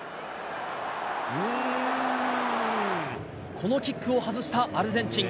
このキックを外したアルゼンチン。